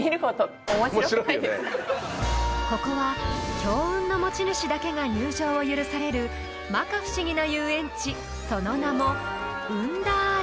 ［ここは強運の持ち主だけが入場を許される摩訶不思議な遊園地その名も］